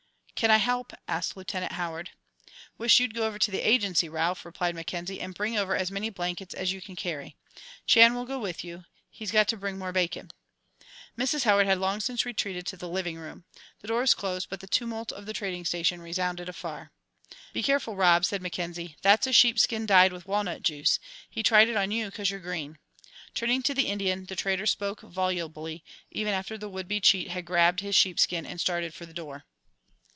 "Can I help?" asked Lieutenant Howard. "Wish you'd go over to the Agency, Ralph," replied Mackenzie, "and bring over as many blankets as you can carry. Chan will go with you he's got to bring more bacon." Mrs. Howard had long since retreated to the living room. The door was closed, but the tumult of the trading station resounded afar. "Be careful, Rob," said Mackenzie, "that's a sheep skin dyed with walnut juice. He tried it on you 'cause you're green." Turning to the Indian, the trader spoke volubly, even after the would be cheat had grabbed his sheep skin and started for the door.